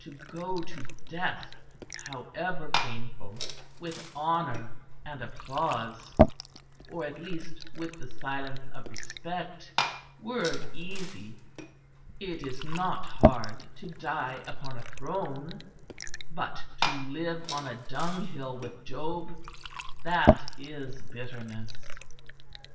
To go to death, however painful, with honour and applause, or at least with the silence of respect, were easy; it is not hard to die upon a throne; but to live on a dunghill with Job, that is bitterness.